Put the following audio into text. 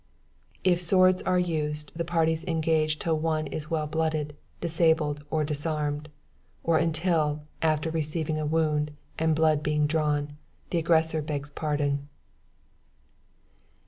"If swords are used, the parties engage till one is well blooded, disabled or disarmed; or until, after receiving a wound, and blood being drawn, the aggressor begs pardon.